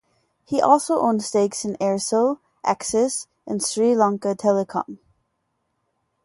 He also owns stakes in Aircel, Axis and Sri Lanka Telecom.